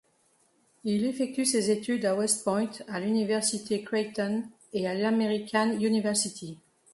Il effectue ses études à West Point, à l'université Creighton et à l'American University.